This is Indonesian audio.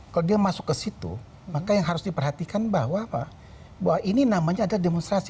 kalau dia masuk ke situ maka yang harus diperhatikan bahwa ini namanya adalah demonstrasi